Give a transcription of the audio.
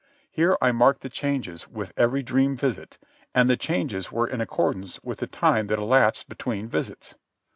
Here I marked the changes with every dream visit, and the changes were in accordance with the time that elapsed between visits.